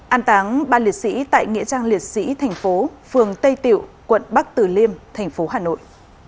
an táng ba liệt sĩ tại nghĩa trang liệt sĩ tp phường tây tiểu quận bắc từ liêm tp hà nội